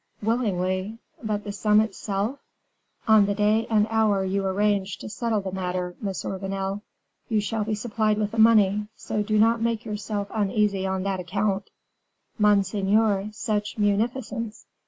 "Willingly but the sum itself?" "On the day and hour you arrange to settle the matter, Monsieur Vanel, you shall be supplied with the money, so do not make yourself uneasy on that account." "Monseigneur, such munificence!